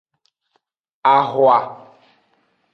Ahwa.